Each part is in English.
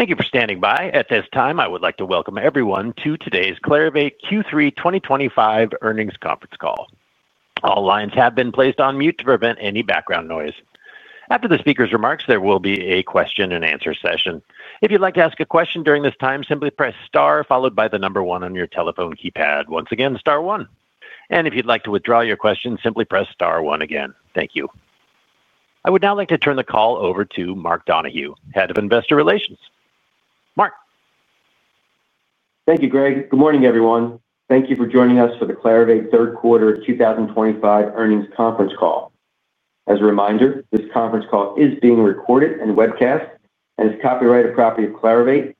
Thank you for standing by. At this time, I would like to welcome everyone to today's Clarivate Q3 2025 earnings conference call. All lines have been placed on mute to prevent any background noise. After the speaker's remarks, there will be a question and answer session. If you'd like to ask a question during this time, simply press star followed by the number one on your telephone keypad. Once again, star one. If you'd like to withdraw your question, simply press star one again. Thank you. I would now like to turn the call over to Mark Donohue, Head of Investor Relations. Mark? Thank you, Greg. Good morning everyone. Thank you for joining us for the Clarivate third quarter 2025 earnings conference call. As a reminder, this conference call is being recorded and webcast and is copyrighted property of Clarivate.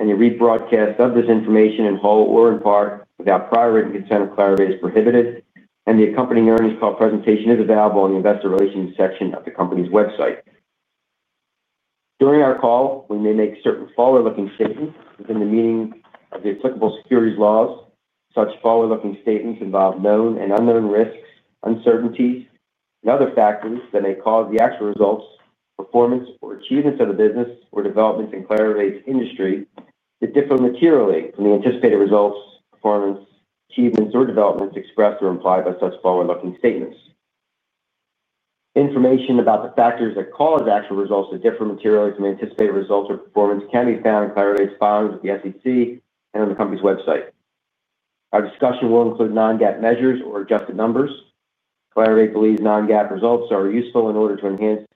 Any rebroadcast of this information, in whole or in part without prior written consent of Clarivate, is prohibited, and the accompanying earnings call presentation is available on the Investor Relations section of the company's website. During our call, we may make certain forward-looking statements within the meaning of the applicable securities laws. Such forward-looking statements involve known and unknown risks, uncertainties, and other factors that may cause the actual results, performance, or achievements of the business or developments in Clarivate's industry to differ materially from the anticipated results, performance, achievements, or developments expressed or implied by such forward-looking statements. Information about the factors that cause actual results to differ materially from anticipated results or performance can be found in Clarivate's filings with the SEC and on the company's website. Our discussion will include non-GAAP measures or adjusted numbers. Clarivate believes non-GAAP results are useful in order to enhance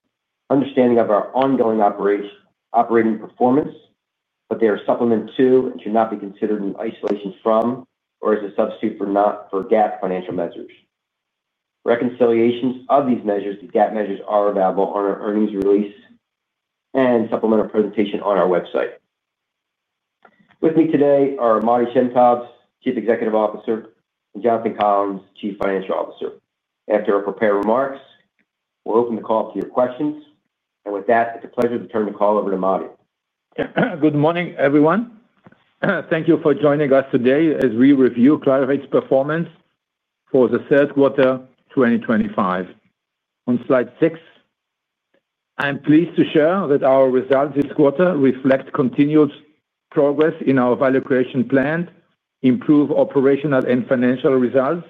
understanding of our ongoing operating performance, but they are a supplement to and should not be considered in isolation from or as a substitute for GAAP financial measures. Reconciliations of these measures to GAAP measures are available on our earnings release and supplemental presentation on our website. With me today are Moty (Matti) Shem Tov, Chief Executive Officer, and Jonathan Collins, Chief Financial Officer. After our prepared remarks, we'll open the call to your questions, and with that, it's a pleasure to turn the call over to Matti. Good morning everyone. Thank you for joining us today as we review Clarivate's performance for the third quarter 2025 on slide six. I am pleased to share that our results this quarter reflect continued progress in our value creation plan, improved operational and financial results,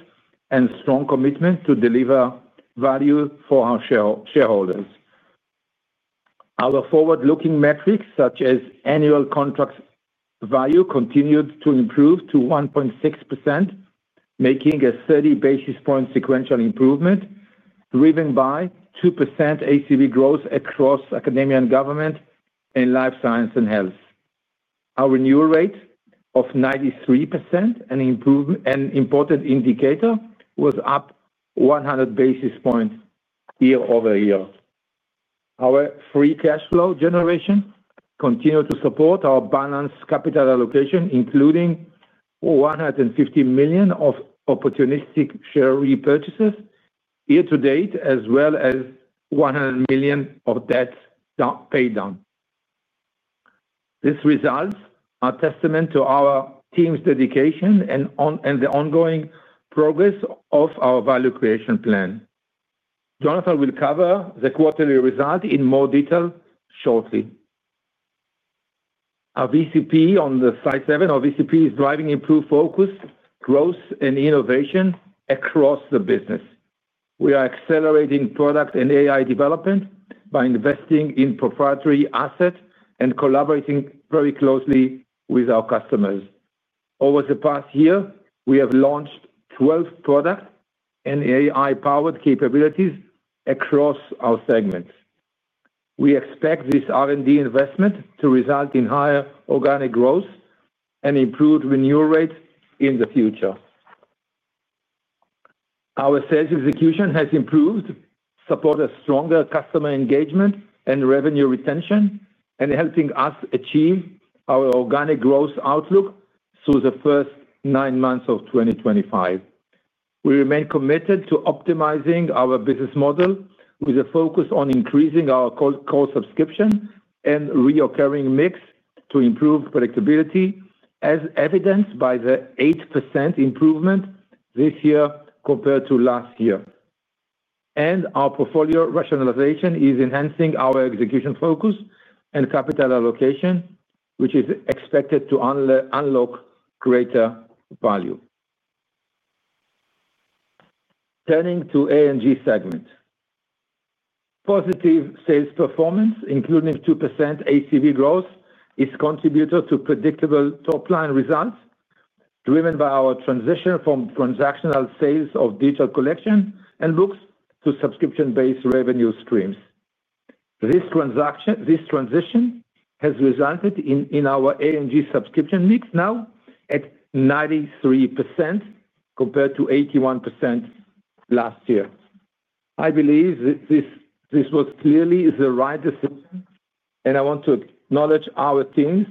and strong commitment to deliver value for our shareholders. Our forward-looking metrics such as annual contract value continued to improve to 1.6%, making a 30 basis point sequential improvement driven by 2% ACV growth across academia and government. In Life Sciences and Health, our renewal rate of 93%, an important indicator, was up 100 basis points year-over-year. Our free cash flow generation continues to support our balanced capital allocation, including $150 million of opportunistic share repurchases year-to-date as well as $100 million of debt paid down. These results are a testament to our team's dedication and the ongoing progress of our value creation plan. Jonathan will cover the quarterly results in more detail shortly. On slide seven, our VCP is driving improved focus, growth, and innovation across the business. We are accelerating product and AI development by investing in proprietary assets and collaborating very closely with our customers. Over the past year, we have launched 12 product and AI-powered capabilities across our segments. We expect this R&D investment to result in higher organic growth and improved renewal rates in the future. Our sales execution has improved support, stronger customer engagement, and revenue retention, helping us achieve our organic growth outlook through the first nine months of 2025. We remain committed to optimizing our business model with a focus on increasing our core subscription and recurring mix to improve predictability, as evidenced by the 8% improvement this year compared to last year, and our portfolio rationalization is enhancing our execution focus and capital allocation, which is expected to unlock greater value. Turning to the A&G segment, positive sales performance, including 2% ACV growth, is a contributor to predictable top line results driven by our transition from transactional sales of digital collections and looks to subscription-based revenue streams. This transition has resulted in our A&G subscription mix now at 93% compared to 81% last year. I believe this was clearly the right decision and I want to acknowledge our teams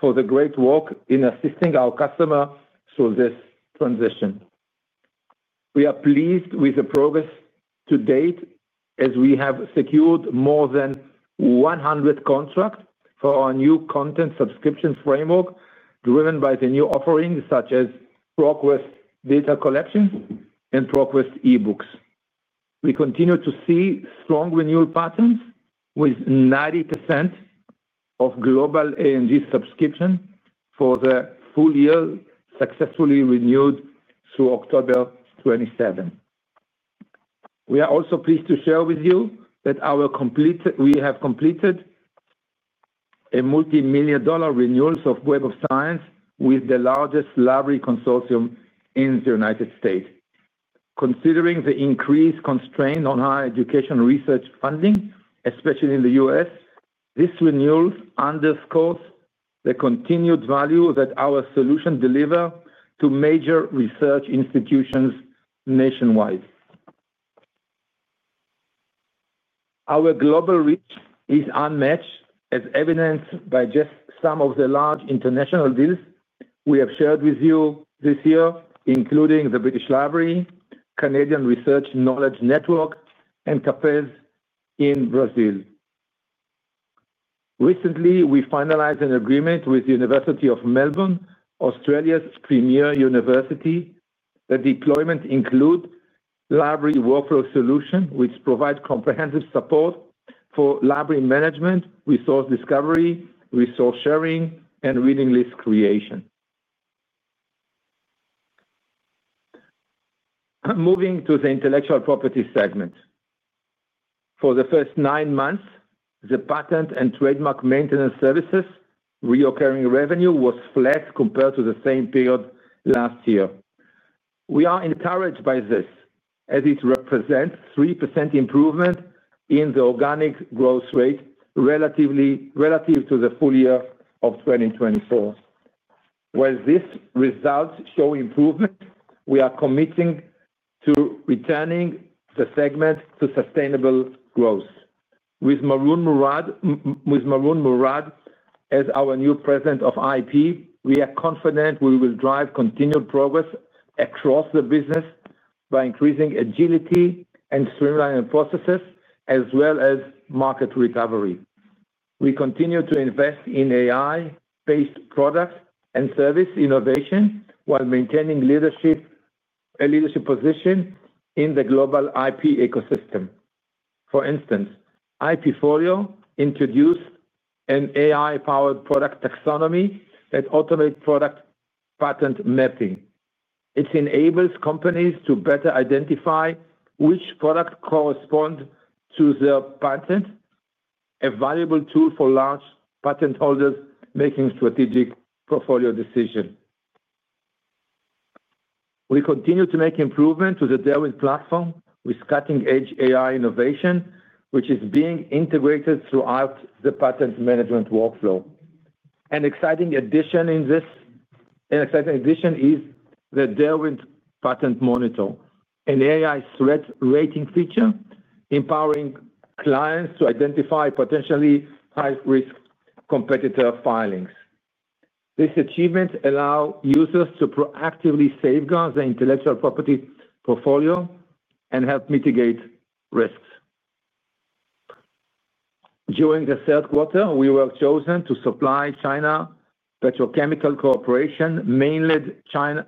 for the great work in assisting our customers through this transition. We are pleased with the progress to date as we have secured more than 100 contracts for our new content subscription framework driven by the new offerings such as ProQuest data collection and ProQuest eBooks. We continue to see strong renewal patterns with 90% of global A&G subscription for the full year successfully renewed through October 27. We are also pleased to share with you that we have completed a multimillion dollar renewal of Web of Science with the largest library consortium in the United States. Considering the increased constraint on higher education research funding, especially in the U.S., this renewal underscores the continued value that our solutions deliver to major research institutions nationwide. Our global reach is unmatched, as evidenced by just some of the large international deals we have shared with you this year, including the British Library, Canadian Research Knowledge Network, and CAFES in Brazil. Recently, we finalized an agreement with University of Melbourne, Australia's premier university. The deployment includes Library Workflow solution, which provides comprehensive support for library management, resource discovery, resource sharing, and reading list creation. Moving to the Intellectual Property segment, for the first nine months, the patent and trademark maintenance services recurring revenue was flat compared to the same period last year. We are encouraged by this as it represents 3% improvement in the organic growth rate relative to the full year of 2024. While these results show improvement, we are committed to returning the segment to sustainable growth. With Maroun Mourad as our new President of IP, we are confident we will drive continued progress across the business by increasing agility and streamlining processes as well as market recovery. We continue to invest in AI-based product and service innovation while maintaining a leadership position in the global IP ecosystem. For instance, IPfolio introduced an AI-powered product taxonomy that automates product patent mapping. It enables companies to better identify which product corresponds to the patent, a valuable tool for large patent holders making strategic portfolio decisions. We continue to make improvements to the Darwin platform with cutting-edge AI innovation, which is being integrated throughout the patent management workflow. An exciting addition is the Derwent Patent Monitor, an AI threat rating feature empowering clients to identify potentially high-risk competitor filings. This achievement allows users to proactively safeguard their intellectual property portfolio and help mitigate risks. During the third quarter, we were chosen to supply China Petrochemical Corporation, Mainland China's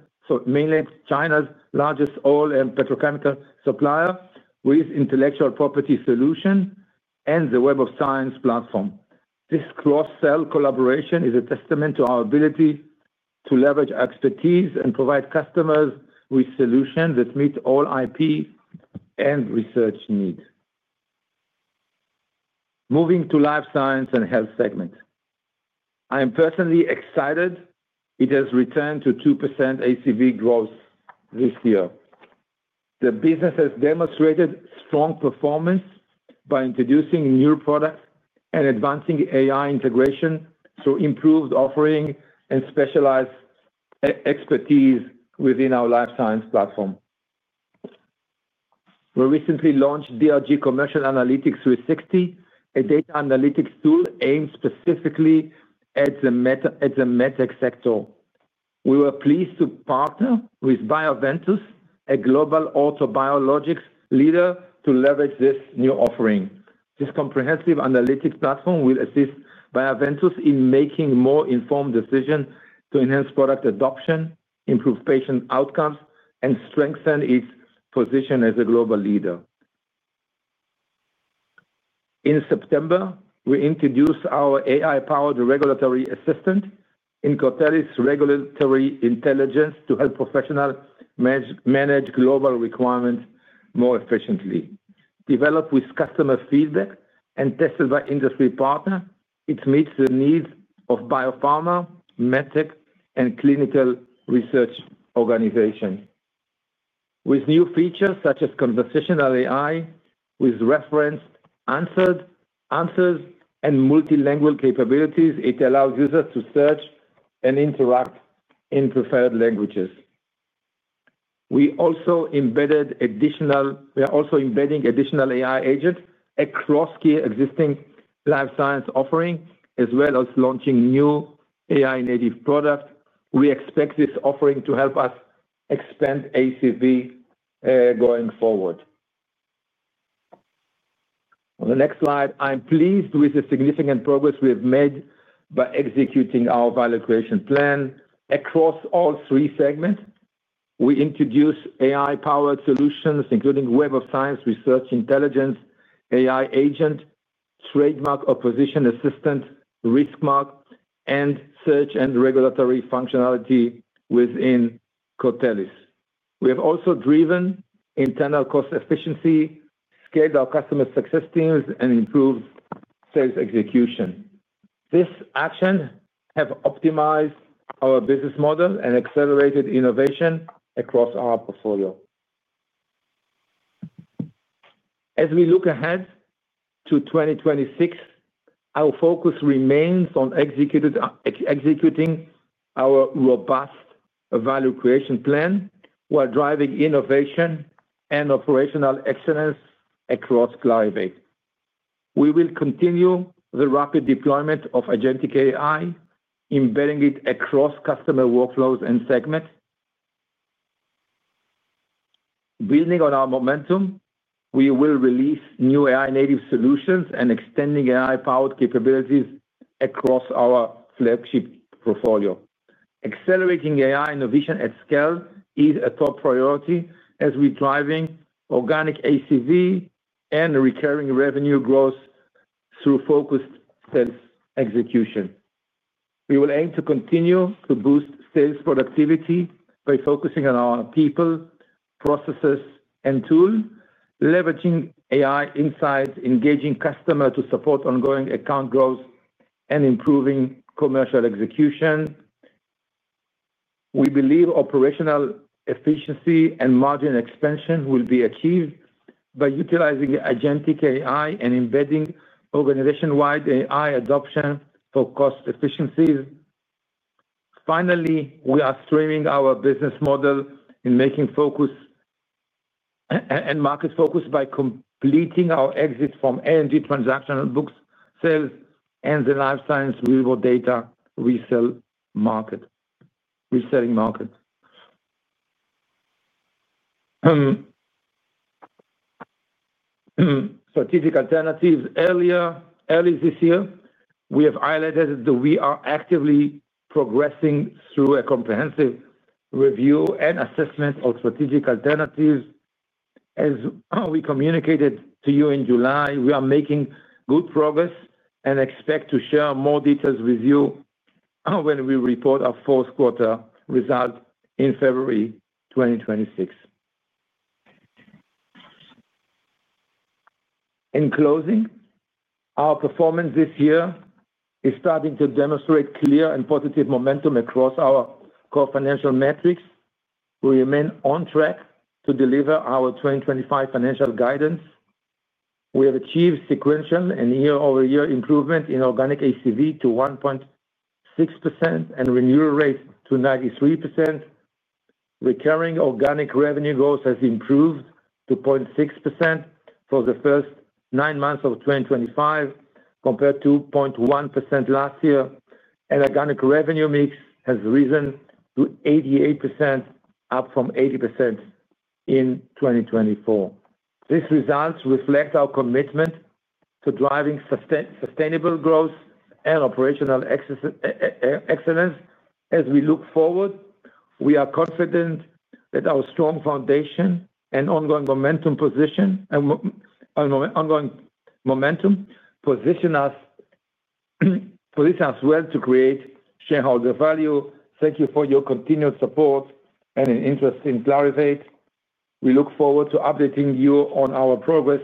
largest oil and petrochemical supplier, with intellectual property solutions and the Web of Science platform. This cross-sell collaboration is a testament to our ability to leverage expertise and provide customers with solutions that meet all IP and research needs. Moving to the Life Sciences and Health segment, I am personally excited it has returned to 2% ACV growth this year. The business has demonstrated strong performance by introducing new products and advancing AI integration through improved offerings and specialized expertise within our life sciences platform. We recently launched DRG Commercial Analytics 360, a data analytics tool aimed specifically at the medtech sector. We were pleased to partner with Bioventus, a global autobiologics leader, to leverage this new offering. This comprehensive analytics platform will assist Bioventus in making more informed decisions to enhance product adoption, improve patient outcomes, and strengthen its position as a global leader. In September, we introduced our AI-powered Regulatory Assistant in Cortellis Regulatory Intelligence to help professionals manage global requirements more efficiently. Developed with customer feedback and tested by industry partners, it meets the needs of Biopharma, Medtech, and Clinical Research Organizations, with new features such as conversational AI with referenced answers and multilingual capabilities. It allows users to search and interact in preferred languages. We are also embedding additional AI agents across key existing life sciences offerings as well as launching new AI-native products. We expect this offering to help us expand ACV going forward. On the next slide, I'm pleased with the significant progress we have made by executing our value creation plan across all three segments. We introduce AI-powered solutions including Web of Science, Research Intelligence, AI Agent, Trademark Opposition Assistant, Riskmark, and Search and Regulatory functionality within Cortellis. We have also driven internal cost efficiency, scaled our customer success teams, and improved sales execution. These actions have optimized our business model and accelerated innovation across our portfolio. As we look ahead to 2026, our focus remains on executing our robust value creation plan while driving innovation and operational excellence across Clarivate. We will continue the rapid deployment of agentic AI, embedding it across customer workflows and segments. Building on our momentum, we will release new AI native solutions and extend AI powered capabilities across our flagship portfolio. Accelerating AI innovation at scale is a top priority as we're driving organic ACV and recurring revenue growth through focused sales execution. We will aim to continue to boost sales productivity by focusing on our people, processes, and tools, leveraging AI insights, engaging customers to support ongoing account growth, and improving commercial execution. We believe operational efficiency and margin expansion will be achieved by utilizing agentic AI and embedding organization-wide AI adoption for cost efficiencies. Finally, we are streamlining our business model and market focus by completing our exit from A&G, Transactional Books, Sales, and the Life Sciences Real World Data Resell Market. Regarding Strategic Alternatives, earlier this year, we have highlighted that we are actively progressing through a comprehensive review and assessment of strategic alternatives. As we communicated to you in July, we are making good progress and expect to share more details with you when we report our fourth quarter results in February 2026. In closing, our performance this year is starting to demonstrate clear and positive momentum across our core financial metrics. We remain on track to deliver our 2025 financial guidance. We have achieved sequential and year-over-year improvement in organic ACV to 1.6% and renewal rate to 93%. Recurring organic revenue growth has improved to 0.6% for the first nine months of 2025 compared to 0.1% last year, and organic revenue mix has risen to 88%, up from 80% in 2024. These results reflect our commitment to driving sustainable growth and operational excellence. As we look forward, we are confident that our strong foundation and ongoing momentum position us well to create shareholder value. Thank you for your continued support and interest in Clarivate. We look forward to updating you on our progress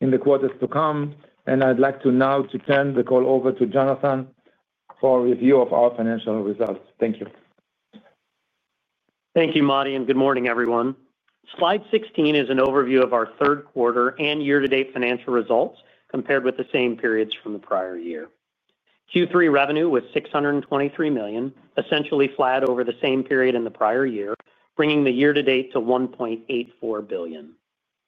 in the quarters to come. I'd like to now turn the call over to Jonathan for a review of our financial results. Thank you. Thank you, Mark, and good morning, everyone. Slide 16 is an overview of our third quarter and year-to-date financial results. Compared with the same periods from the prior year, Q3 revenue was $623 million, essentially flat over the same period in the prior year, bringing the year-to-date to $1.84 billion.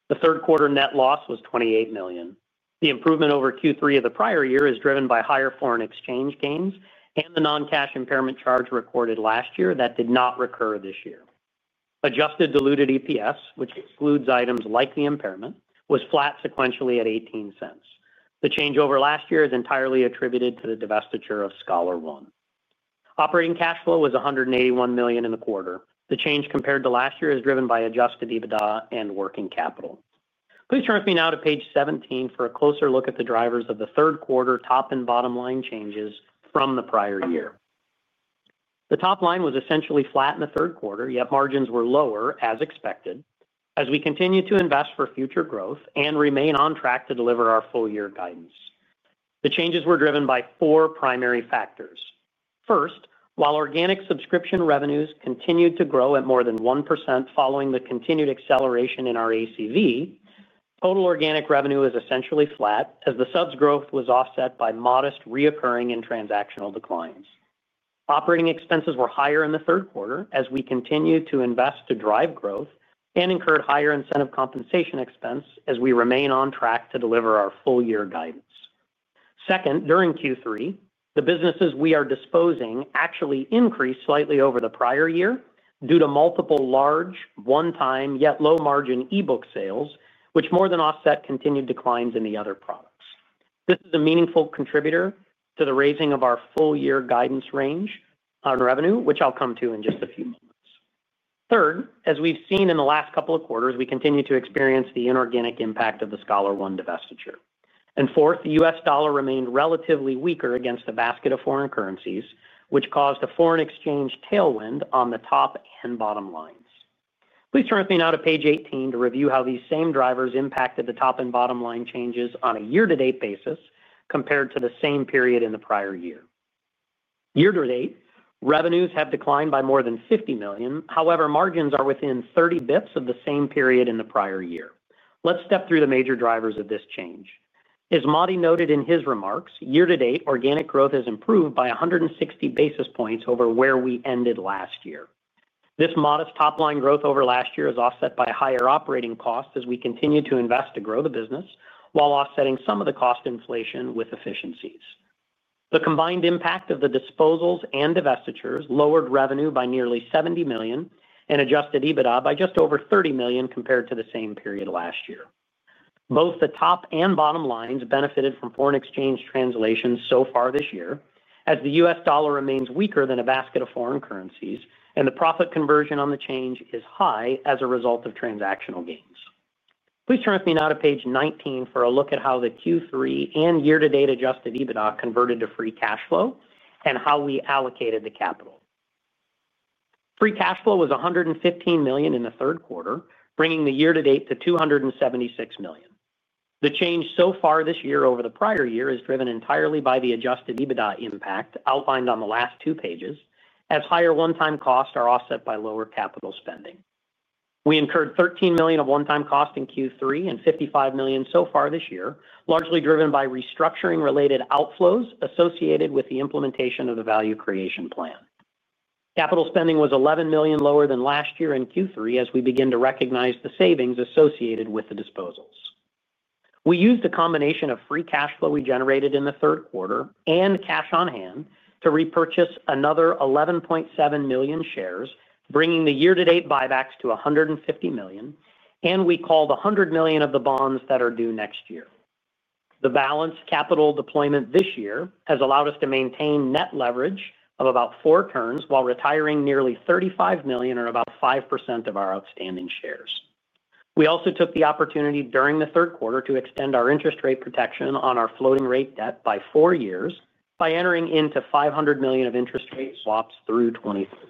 The third quarter net loss was $28 million. The improvement over Q3 of the prior year is driven by higher foreign exchange gains and the non-cash impairment charge recorded last year that did not recur this year. Adjusted diluted EPS, which excludes items like the impairment, was flat sequentially at $0.18. The change over last year is entirely attributed to the divestiture of ScholarOne. Operating cash flow was $181 million in the quarter. The change compared to last year is driven by adjusted EBITDA and working capital. Please turn with me now to page 17 for a closer look at the drivers of the third quarter top and bottom line changes from the prior year. The top line was essentially flat in the third quarter, yet margins were lower as expected as we continue to invest for future growth and remain on track to deliver our full year guidance. The changes were driven by four primary factors. First, while organic subscription revenues continued to grow at more than 1% following the continued acceleration in our ACV, total organic revenue is essentially flat as the subs growth was offset by modest recurring and transactional declines. Operating expenses were higher in the third quarter as we continue to invest to drive growth and incurred higher incentive compensation expense as we remain on track to deliver our full year guidance. Second, during Q3, the businesses we are disposing actually increased slightly over the prior year due to multiple large one-time yet low margin ebook sales, which more than offset continued declines in the other products. This is a meaningful contributor to the raising of our full year guidance range on revenue, which I'll come to in just a few moments. Third, as we've seen in the last couple of quarters, we continue to experience the inorganic impact of the ScholarOne divestiture. Fourth, the U.S. Dollar remained relatively weaker against the basket of foreign currencies, which caused a foreign exchange tailwind on the top and bottom lines. Please turn with me now to page 18 to review how these same drivers impacted the top and bottom line changes on a year-to-date basis compared to the same period in the prior year. Year-to-date revenues have declined by more than $50 million. However, margins are within 30 bps of the same period in the prior year. Let's step through the major drivers of this change. As Moty noted in his remarks, year to date organic growth has improved by 160 basis points over where we ended last year. This modest top line growth over last year is offset by higher operating costs as we continue to invest to grow the business while offsetting some of the cost inflation with efficiencies. The combined impact of the disposals and divestitures lowered revenue by nearly $70 million and adjusted EBITDA by just over $30 million compared to the same period last year. Both the top and bottom lines benefited from foreign exchange translations so far this year as the U.S. Dollar remains weaker than a basket of foreign currencies, and the profit conversion on the change is high as a result of transactional gains. Please turn with me now to page 19 for a look at how the Q3 and year to date adjusted EBITDA converted to free cash flow and how we allocated the capital. Free cash flow was $115 million in the third quarter, bringing the year to date to $276 million. The change so far this year over the prior year is driven entirely by the adjusted EBITDA impact outlined on the last two pages as higher one time costs are offset by lower capital spending. We incurred $13 million of one time cost in Q3 and $55 million so far this year, largely driven by restructuring related outflows associated with the implementation of the value creation plan. Capital spending was $11 million lower than last year in Q3 as we begin to recognize the savings associated with the disposals. We used a combination of free cash flow we generated in the third quarter and cash on hand to repurchase another 11.7 million shares, bringing the year-to-date buybacks to $150 million, and we called $100 million of the bonds that are due next year. The balanced capital deployment this year has allowed us to maintain net leverage of about four turns while retiring nearly 35 million or about 5% of our outstanding shares. We also took the opportunity during the third quarter to extend our interest rate protection on our floating rate debt by four years by entering into $500 million of interest rate swaps through 2030.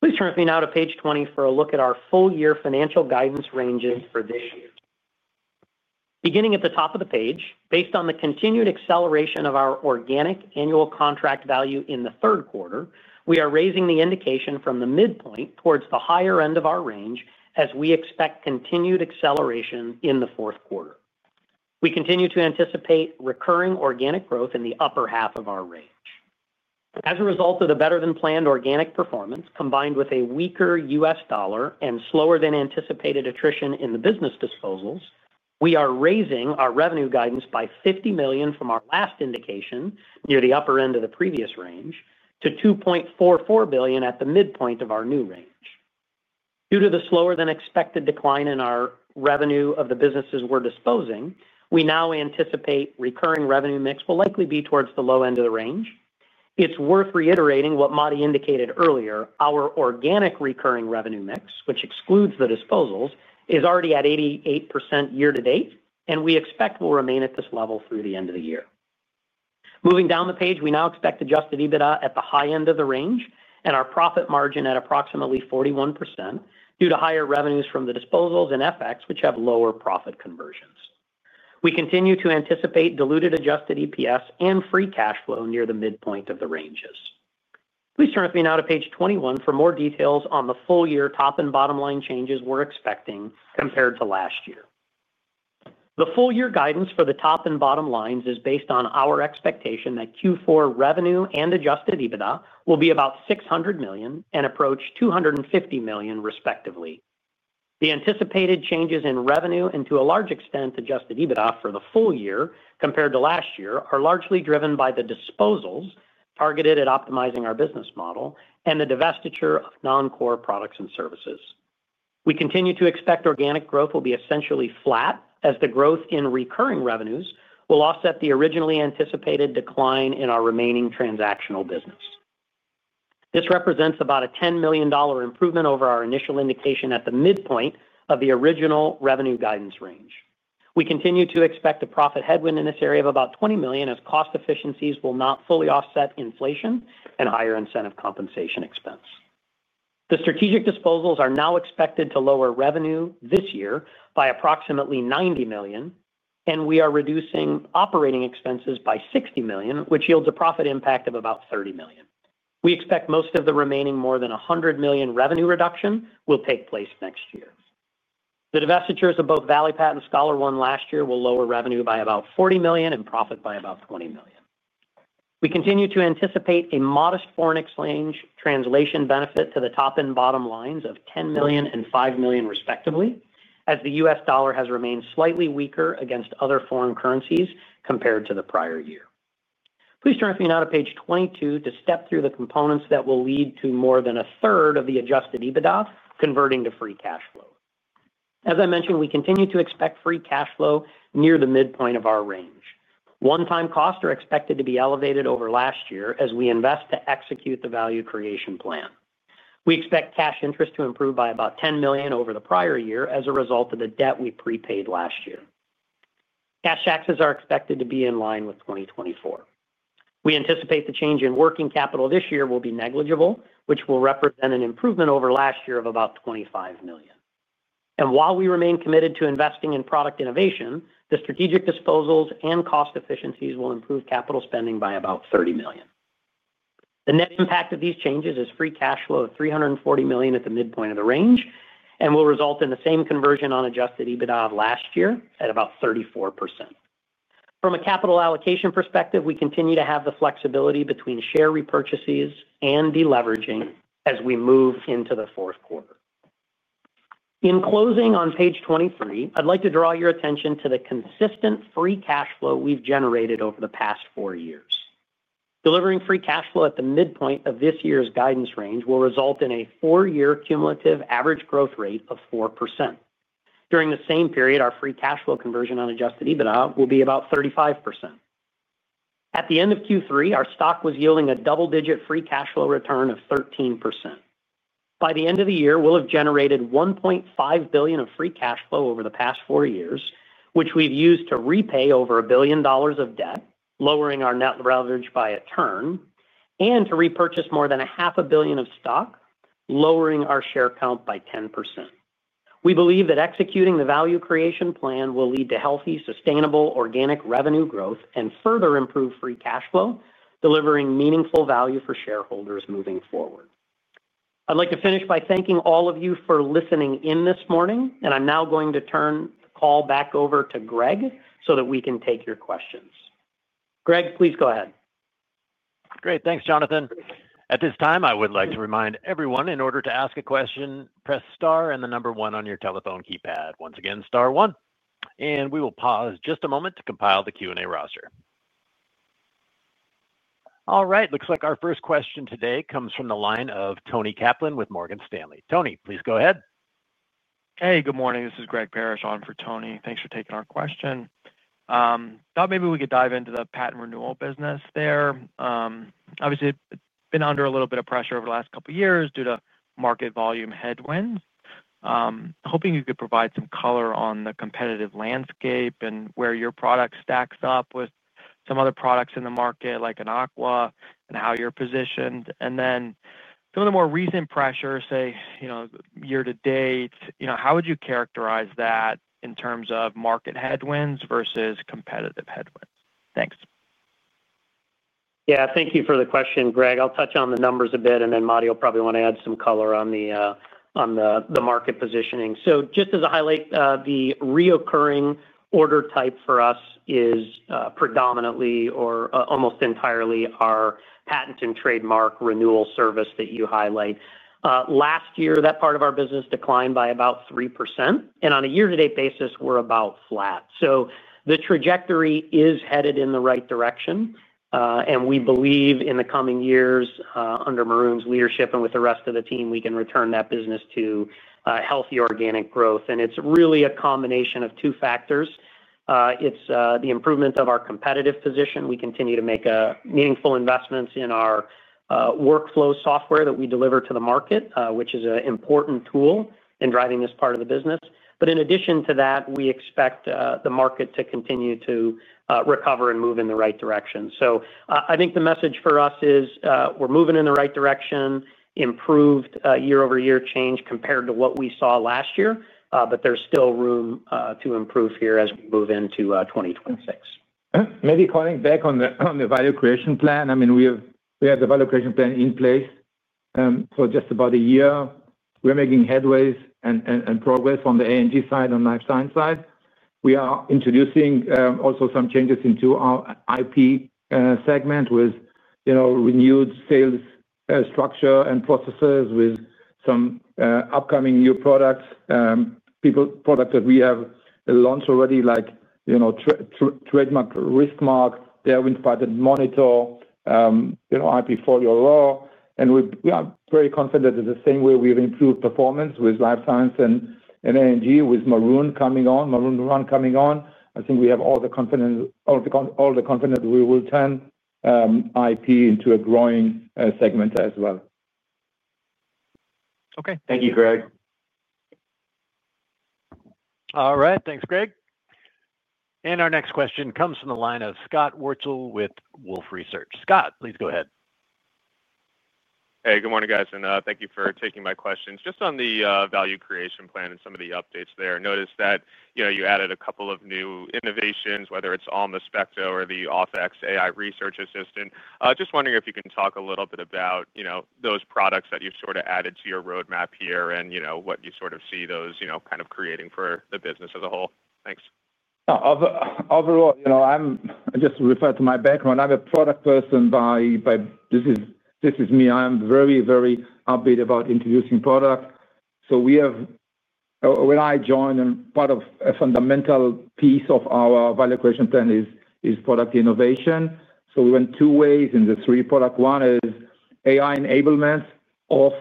Please turn with me now to page 20 for a look at our full year financial guidance ranges for this year beginning at the top of the page. Based on the continued acceleration of our organic annual contract value in the third quarter, we are raising the indication from the midpoint towards the higher end of our range as we expect continued acceleration in the fourth quarter. We continue to anticipate recurring organic growth in the upper half of our range as a result of the better than planned organic performance combined with a weaker U.S. dollar and slower than anticipated attrition in the business disposals. We are raising our revenue guidance by $50 million from our last indication near the upper end of the previous range to $2.44 billion at the midpoint of our new range. Due to the slower than expected decline in our revenue of the businesses we're disposing, we now anticipate recurring revenue mix will likely be towards the low end of the range. It's worth reiterating what Matti indicated earlier. Our organic recurring revenue mix, which excludes the disposals, is already at 88% year-to-date and we expect will remain at this level through the end of the year. Moving down the page, we now expect adjusted EBITDA at the high end of the range and our profit margin at approximately 41% due to higher revenues from the disposals and FX which have lower profit conversions. We continue to anticipate diluted adjusted EPS and free cash flow near the midpoint of the ranges. Please turn with me now to page 21 for more details on the full year top and bottom line changes we're expecting compared to last year. The full year guidance for the top and bottom lines is based on our expectation that Q4 revenue and adjusted EBITDA will be about $600 million and approach $250 million respectively. The anticipated changes in revenue and to a large extent adjusted EBITDA for the full year compared to last year are largely driven by the disposals targeted at optimizing our business model and the divestiture of non core products and services. We continue to expect organic growth will be essentially flat as the growth in recurring revenues will offset the originally anticipated decline in our remaining transactional business. This represents about a $10 million improvement over our initial indication at the midpoint of the original revenue guidance range. We continue to expect a profit headwind in this area of about $20 million as cost efficiencies will not fully offset inflation and higher incentive compensation expense. The strategic disposals are now expected to lower revenue this year by approximately $90 million, and we are reducing operating expenses by $60 million, which yields a profit impact of about $30 million. We expect most of the remaining more than $100 million revenue reduction will take place next year. The divestitures of both Valleypat and ScholarOne last year will lower revenue by about $40 million and profit by about $20 million. We continue to anticipate a modest foreign exchange translation benefit to the top and bottom lines of $10 million and $5 million, respectively, as the U.S. dollar has remained slightly weaker against other foreign currencies compared to the prior year. Please turn with me now to page 22 to step through the components that will lead to more than a third of the adjusted EBITDA converting to free cash flow. As I mentioned, we continue to expect free cash flow near the midpoint of our range. One-time costs are expected to be elevated over last year as we invest to execute the value creation plan. We expect cash interest to improve by about $10 million over the prior year as a result of the debt we prepaid last year. Cash taxes are expected to be in line with 2024. We anticipate the change in working capital this year will be negligible, which will represent an improvement over last year of about $25 million. While we remain committed to investing in product innovation, the strategic disposals and cost efficiencies will improve capital spending by about $30 million. The net impact of these changes is free cash flow of $340 million at the midpoint of the range and will result in the same conversion on adjusted EBITDA of last year at about 34%. From a capital allocation perspective, we continue to have the flexibility between share repurchases and deleveraging as we move into the fourth quarter. In closing on page 23, I'd like to draw your attention to the consistent free cash flow we've generated over the past four years. Delivering free cash flow at the midpoint of this year's guidance range will result in a four-year cumulative average growth rate of 4% during the same period. Our free cash flow conversion on adjusted EBITDA will be about 35%. At the end of Q3, our stock was yielding a double-digit free cash flow return of 13% by the end of the year. We've generated $1.5 billion of free cash flow over the past four years, which we've used to repay over $1 billion of debt, lowering our net leverage by a turn and to repurchase more than half a billion of stock, lowering our share count by 10%. We believe that executing the value creation plan will lead to healthy, sustainable organic revenue growth and further improve free cash flow, delivering meaningful value for shareholders moving forward. I'd like to finish by thanking all of you for listening in this morning. I'm now going to turn the call back over to Greg so that we can take your questions. Greg, please go ahead. Great. Thanks, Jonathan. At this time, I would like to remind everyone, in order to ask a question, press star and the number one on your telephone keypad. Once again, star one. We will pause just a moment to compile the Q&A roster. All right, looks like our first question today comes from the line of Tony Kaplan with Morgan Stanley. Tony, please go ahead. Hey, good morning. This is Greg Parrish on for Tony, thanks for taking our question. Thought maybe we could dive into the patent renewal business. There obviously been under a little bit of pressure over the last couple years due to market volume headwinds. Hoping you could provide some color on the competitive landscape and where your product stacks up with some other products in the market like Anaqua and how you're positioned and then some of the more recent pressures, say year to date. How would you characterize that in terms of market headwinds versus competitive headwinds? Thanks. Yeah, thank you for the question, Greg. I'll touch on the numbers a bit and then Maroun will probably want to add some color on the market positioning. Just as a highlight, the recurring order type for us is predominantly or almost entirely our patent and trademark renewal service that you highlight. Last year, that part of our business declined by about 3%. On a year-to-date basis, we're about flat. The trajectory is headed in the right direction. We believe in the coming years, under Maroun's leadership and with the rest of the team, we can return that business to healthy organic growth. It's really a combination of two factors. It's the improvement of our competitive position. We continue to make meaningful investments in our workflow software that we deliver to the market, which is an important tool in driving this part of the business. In addition to that, we expect the market to continue to recover and move in the right direction. I think the message for us is we're moving in the right direction and improved year over year change compared to what we saw last year. There's still room to improve here as we move into 2026. Maybe calling back on the value creation plan. We have the value creation plan in place for just about a year. We're making headways and progress on the A&G side and Life Sciences side. We are introducing also some changes into our IP segment with renewed sales structure and processes with some upcoming new products. People product that we have launched already like, you know, trademark Riskmark, Darwin, Derwent Patent Monitor, IPfolio. We are very confident in the same way we have improved performance with Life Sciences and A&G. With Maroun coming on, I think we have all the confidence we will turn IP into a growing segment as well. Okay, thank you, Greg. All right, thanks, Greg. Our next question comes from the line of Scott Wurtzel with Wolfe Research. Scott, please go ahead. Hey, good morning guys and thank you for taking my questions. Just on the value creation plan and some of the updates there, notice that you know, you added a couple of new innovations whether it's Alma Spectre or the Authex AI research assistant. Just wondering if you can talk a little bit about, you know, those products that you've sort of added to your roadmap here. You know what you sort of see those, you know, kind of creating for the business as a whole. Thanks. Overall, I'm just referring to my background. I'm a product person by this is, this is me. I'm very, very upbeat about introducing product. We have, when I joined, part of a fundamental piece of our value creation plan is product innovation. We went two ways in the three product. One is AI enablement of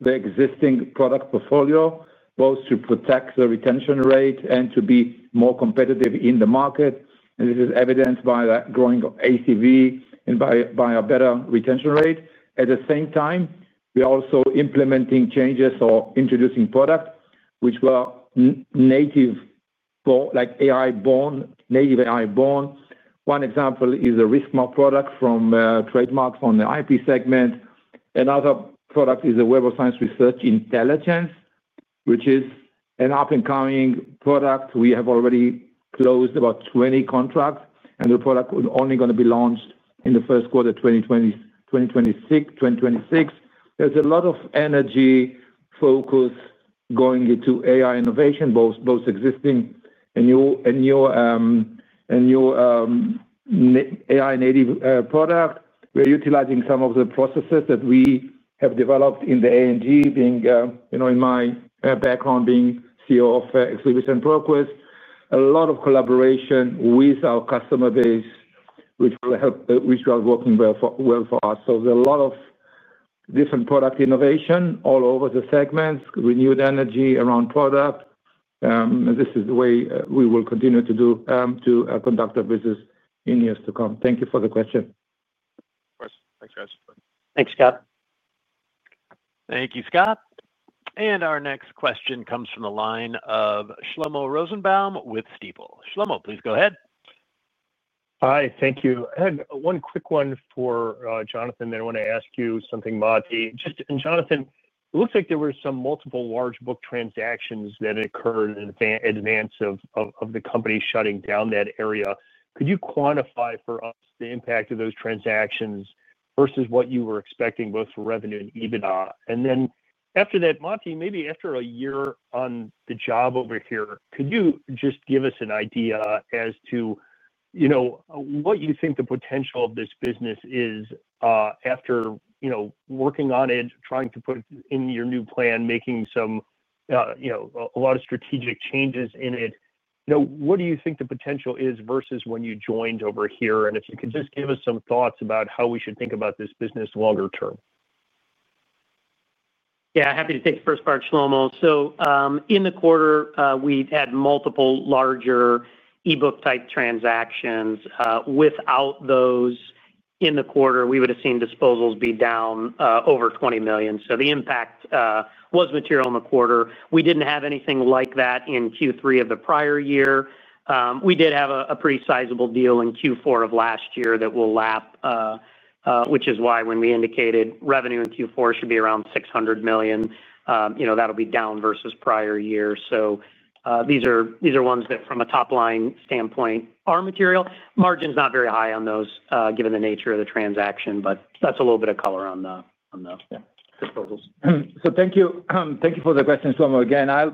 the existing product portfolio both to protect the retention rate and to be more competitive in the market. This is evidenced by that growing ACV and by a better retention rate. At the same time, we are also implementing changes or introducing product which were native for like AI born. Native AI born. One example is a riskmark product from trademark on the IP segment. Another product is a Web of Science Research Intelligence which is an up and coming product. We have already closed about 20 contracts and the product only going to be launched in the first quarter 2026. There's a lot of energy focus going into AI innovation, both existing and your AI native product. We're utilizing some of the processes that we have developed in my background being CEO of Ex Libris and ProQuest. A lot of collaboration with our customer base which are working well for us. There are a lot of different product innovation all over the segments. Renewed energy around product. This is the way we will continue to conduct our business in years to come. Thank you for the question. Thanks Scott. Thank you, Scott. Our next question comes from the line of Shlomo Rosenbaum with Stifel. Shlomo, please go ahead. Hi. Thank you. One quick one for Jonathan, then I want to ask you something, Matti. Looks like there were some multiple large book transactions that occurred in advance of the company shutting down that area. Could you quantify for us the impact of those transactions versus what you were expecting both for revenue and EBITDA? After that, Matti, maybe after a year on the job over here, could you just give us an idea as to what you think the potential of this business is after working on it, trying to put in your new plan, making some, you know, a lot of strategic changes in it? What do you think the potential is versus when you joined over here? If you could just give us some thoughts about how we should think about this business longer term. Yeah, happy to take the first part, Shlomo. In the quarter we had multiple larger ebook type transactions. Without those in the quarter, we would have seen disposals be down over $20 million. The impact was material in the quarter. We didn't have anything like that in Q3 of the prior year. We did have a pretty sizable deal in Q4 of last year that will lap, which is why when we indicated revenue in Q4 should be around $600 million, that'll be down versus prior year. These are ones that from a top line standpoint are material. Margin's not very high on those given the nature of the transaction, but that's a little bit of color on the disposals. Thank you for the question, Shlomo. Again, I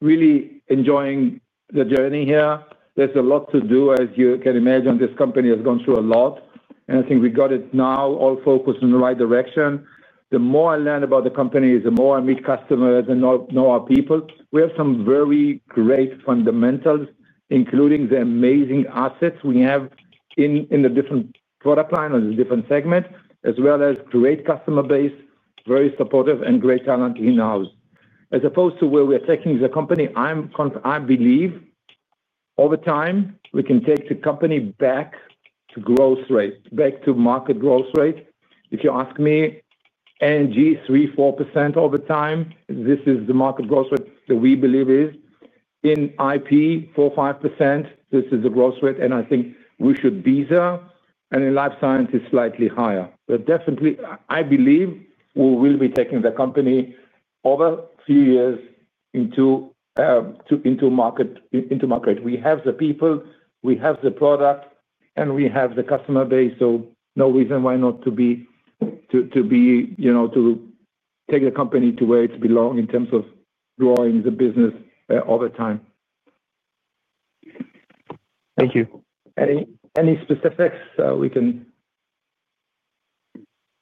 really enjoy the journey here. There's a lot to do. As you can imagine, this company has gone through a lot, and I think we got it now all focused in the right direction. The more I learn about the company is the more I meet customers and know our people. We have some very great fundamentals, including the amazing assets we have in the different product line, in the different segment, as well as great customer base, very supportive and great talent in house as opposed to where we are taking the company. I believe over time we can take the company back to growth rate, back to market growth rate if you ask me, and G3 4% over time. This is the market growth rate that we believe is in IP 4.5%. This is the growth rate, and I think we should visa, and in life science is slightly higher. I definitely believe we will be taking the company over few years into market. We have the people, we have the product, and we have the customer base. No reason why not to be, to be, you know, to take the company to where it belong in terms of growing the business over time. Thank you. Any specifics we can.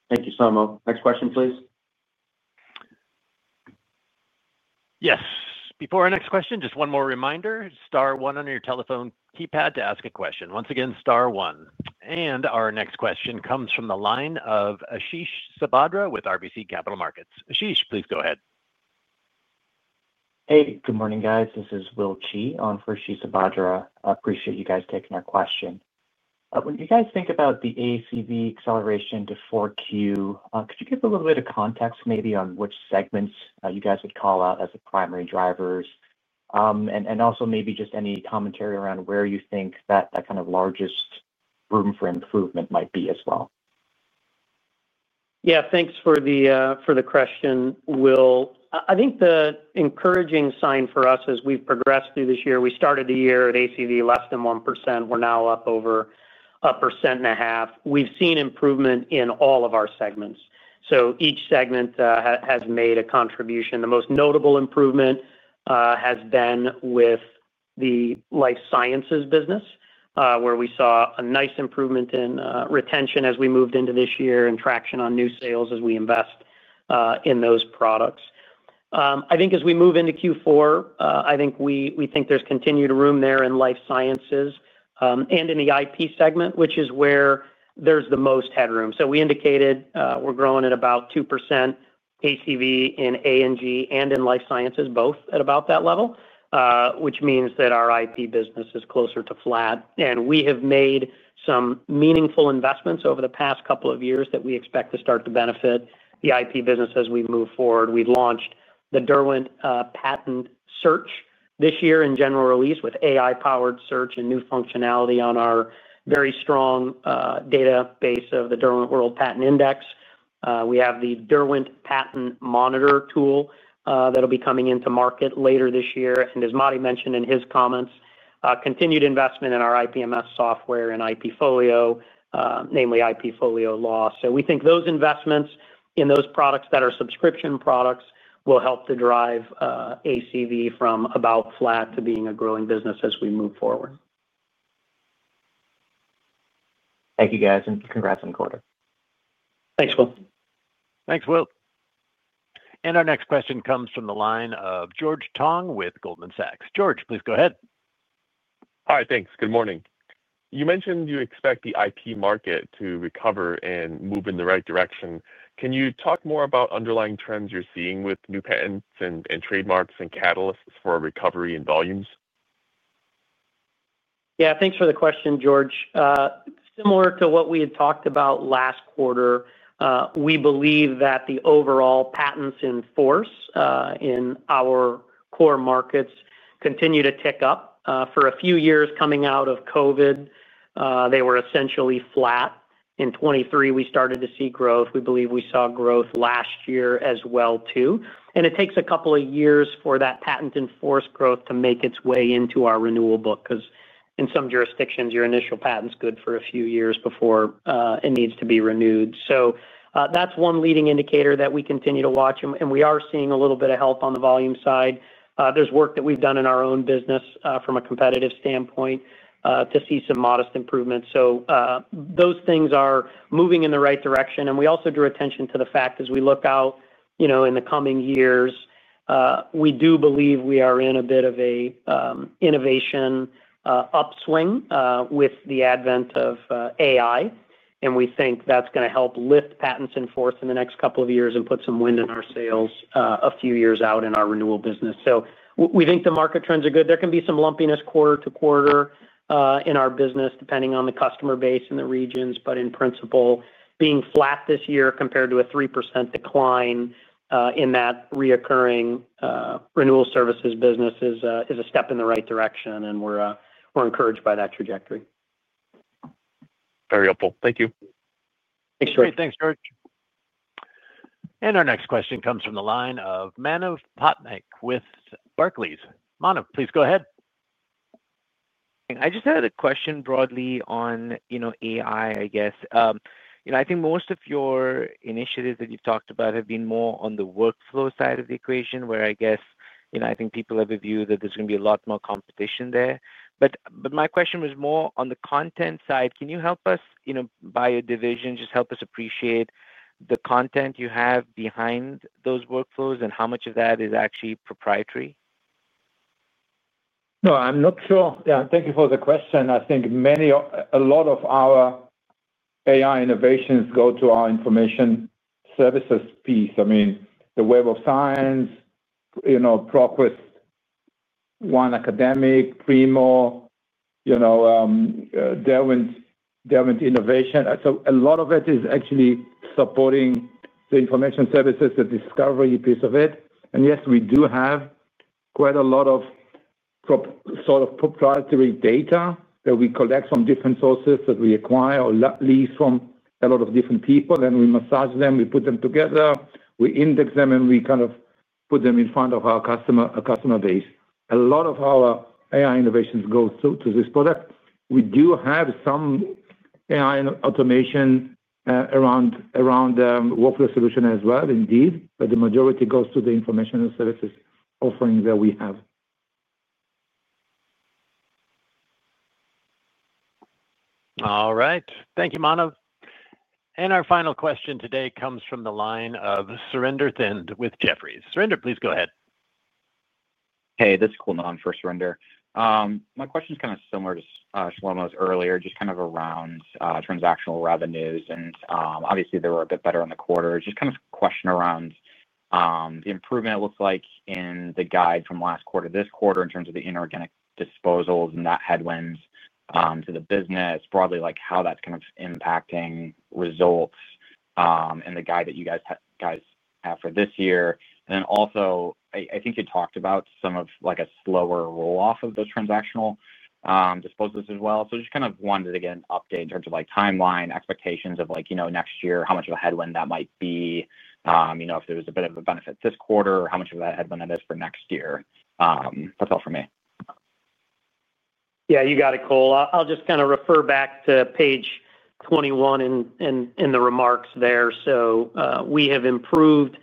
Thank you. Samo, next question please. Yes. Before our next question, just one more reminder, star one on your telephone keypad to ask a question. Once again, star one. Our next question comes from the line of Ashish Sabadra with RBC Capital Markets. Ashish, please go ahead. Hey, good morning, guys. This is Will Qi on for Ashish Sabadra. Appreciate you guys taking our question. When you guys think about the ACV. Acceleration to 4Q, could you give a little bit of context maybe on which segments you guys would call out as? The primary drivers and also maybe just. Any commentary around where you think that? Kind of largest room for improvement might be as well? Yeah, thanks for the question, Will. I think the encouraging sign for us as we progress through this year, we started the year at ACV less than 1%. We're now up over 1.5%. We've seen improvement in all of our segments, so each segment has made a contribution. The most notable improvement has been with the Life Sciences business where we saw a nice improvement in retention as we moved into this year and traction on new sales as we invest in those products. I think as we move into Q4, we think there's continued room there in Life Sciences and in the IP segment, which is where there's the most headroom. We indicated we're growing at about 2% ACV in A&G and in Life Sciences, both at about that level, which means that our IP business is closer to flat, and we have made some meaningful investments over the past couple of years that we expect to start to benefit the IP business as we move forward. We've launched the Derwent Patent search this year in general release with AI-powered search and new functionality on our very strong database of the Derwent World Patent Index. We have the Derwent Patent Monitor tool that'll be coming into market later this year. As Matti mentioned in his comments, continued investment in our IP Management Software and IPfolio, namely IPfolio loss. We think those investments in those products that are subscription products will help to drive ACV from about flat to being a growing business as we move forward. Thank you guys and congrats on the quarter. Thanks, Will. Thanks, Will. Our next question comes from the line of George Tong with Goldman Sachs. George, please go ahead. All right, thanks. Good morning. You mentioned you expect the IP market to recover and move in the right direction. Can you talk more about underlying trends you're seeing with new patents and trademarks, and cash catalysts for a recovery in volumes. Yeah, thanks for the question, George. Similar to what we had talked about last quarter, we believe that the overall patents in force in our core markets continue to tick up for a few years. Coming out of COVID, they were essentially flat in 2023. We started to see growth. We believe we saw growth last year as well too. It takes a couple of years for that patent in force growth to make its way into our renewal book because in some jurisdictions your initial patent's good for a few years before it needs to be renewed. That's one leading indicator that we continue to watch and we are seeing a little bit of help on the volume side. There's work that we've done in our own business from a competitive standpoint to see some modest improvements. Those things are moving in the right direction. We also drew attention to the fact as we look out, you know, in the coming years, we do believe we are in a bit of an innovation upswing with the advent of AI. We think that's going to help lift patents in force in the next couple of years and put some wind in our sails a few years out in our renewal business. We think the market trends are good. There can be some lumpiness, quarter-to-quarter in our business depending on the customer base in the regions. In principle, being flat this year compared to a 3% decline in that recurring renewal services business is a step in the right direction and we're encouraged by that trajectory. Very helpful, thank you. Thanks, George. Our next question comes from the line of Manav Patnaik with Barclays. Manav, please go ahead. I just had a question broadly on AI. I guess I think most of your initiatives that you've talked about have been more on the workflow side of the equation, where I think people have a view that there's going to be a lot more competition there. My question was more on the content side. Can you help us, by division, just help us appreciate the content you have behind those workflows, and how much of that is actually proprietary? Thank you for the question. I think many, a lot of our AI innovations go to our information services piece. I mean, the Web of Science, ProQuest 1 Academic, Primo, Derwent Innovation. A lot of it is actually supporting the information services, the discovery piece of it. Yes, we do have quite a lot of sort of proprietary data that we collect from different sources that we acquire or lease from a lot of different people, and we massage them, we put them together, we index them, and we kind of put them in front of our customer base. A lot of our innovations go through to this product. We do have some AI automation around workflow solution as well. Indeed. The majority goes to the informational services offering that we have. All right, thank you, Manav. Our final question today comes from the line of Surinder Thind with Jefferies. Surinder, please go ahead. Hey, this is cool. My question is kind of similar to Shlomo's earlier, just kind of around transactional revenues and obviously they were a bit better in the quarter. Just kind of question around the improvement it looks like in the guide from last quarter to this quarter in terms of the inorganic disposals and that headwind to the business broadly, like how that's kind of impacting results and the guide that you guys have for this year. I think you talked about some of like a slower roll off of those transactional disposals as well. Just kind of wanted to get an update in terms of timeline expectations of, you know, next year, how much of a headwind that might be, you know, if there was a bit of a benefit this quarter, how much of a headwind that is for next year. That's all for me. Yeah, you got it, Cole. I'll just kind of refer back to page 21 in the remarks there. We have improved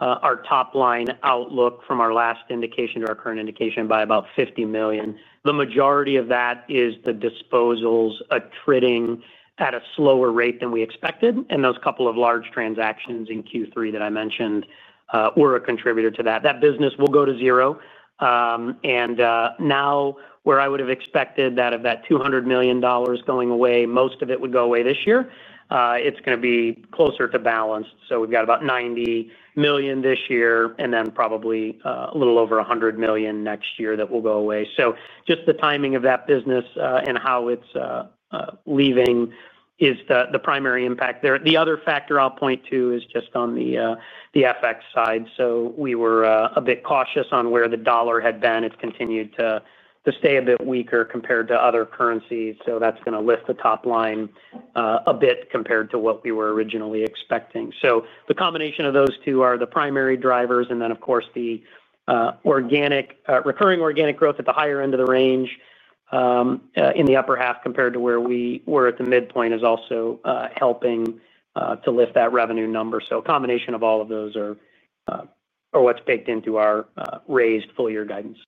our top line outlook from our last indication to our current indication by about $50 million. The majority of that is the disposals attriting at a slower rate than we expected. Those couple of large transactions in Q3 that I mentioned are a contributor to that. That business will go to zero. Where I would have expected that of that $200 million going away, most of it would go away this year, it's going to be closer to balance. We've got about $90 million this year and then probably a little over $100 million next year that will go away. The timing of that business and how it's leaving is the primary impact there. The other factor I'll point to is just on the FX side. We were cautious on where the dollar had been. It's continued to stay a bit weaker compared to other currencies. That's going to lift the top line a bit compared to what we were originally expecting. The combination of those two are the primary drivers. Of course, the organic, recurring organic growth at the higher end of the range in the upper half compared to where we were at the midpoint is also helping to lift that revenue number. A combination of all of those are what's baked into our raised full year guidance.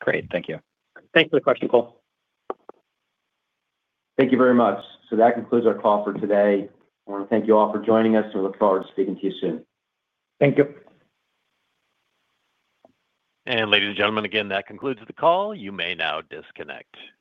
Great. Thank you. Thanks for the question, Cole. Thank you very much. That concludes our call for today. I want to thank you all for joining us, and we look forward to speaking to you soon. Thank you. Ladies and gentlemen, that concludes the call. You may now disconnect.